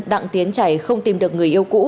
đặng tiến trày không tìm được người yêu cũ